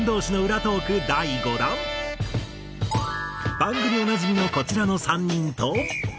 番組おなじみのこちらの３人と。